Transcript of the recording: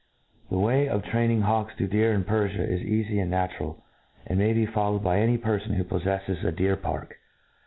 The way of train ing hawks to deer in Perfia is eafy and natural^ and may bq followed by any perfon who poffefTes a deer park.